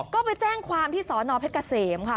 ก็ไปแจ้งความที่สอนอเพชรเกษมค่ะ